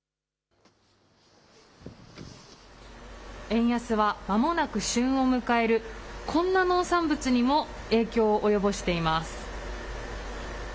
円安は、まもなく旬を迎えるこんな農産物にも影響を及ぼしています。